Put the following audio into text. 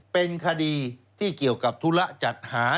เป็นคดีที่เกี่ยวกับธุระจัดหา